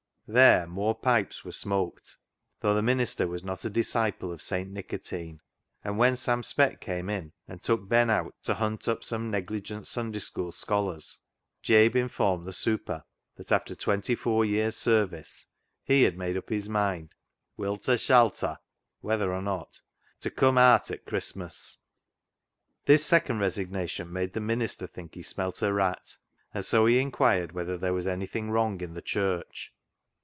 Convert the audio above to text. There, more pipes were smoked, though the minister was not a disciple of St, Nicotine ; and when Sam Speck came in and took Ben out to hunt up some negligent Sunday School scholars, Jabe informed the "super " that after twenty four years' service he had made up his mind " wilta shalta " [whether or not] to " cum aat at Christmas." This second resignation made the minister think he smelt a rat, and so he inquired whether there was anything wrong in the Church.